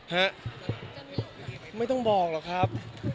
ฮะไม่ต้องบอกหรอกครับ